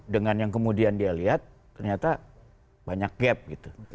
dengan yang kemudian dia lihat ternyata banyak gap gitu